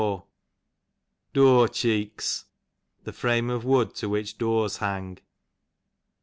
Dur, a door. Dur cheeks, the frame of wood to which doors hang.